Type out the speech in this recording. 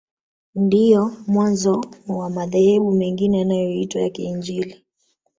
Ndio mwanzo wa madhehebu mengine yanayoitwa ya Kiinjili